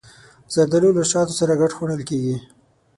زردالو له شاتو سره ګډ خوړل کېږي.